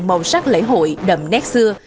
màu sắc lễ hội đậm nét xưa